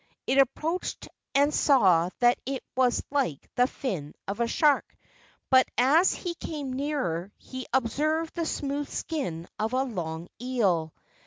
He approached and saw that it was like the fin of a shark, but as he came nearer he ob¬ served the smooth skin of a long eel.